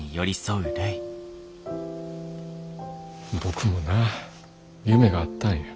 僕もなあ夢があったんや。